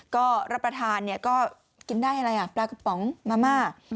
ก็รับประทานเนี่ยก็กินได้อะไรอ่ะปลากระป๋องมาม่า